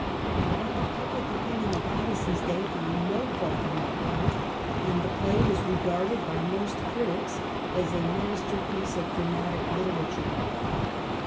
But the pubhc opinion of Addison's day found no fault on that account, and the Dlay was regarded by most critics as a master piece of dramatic literature.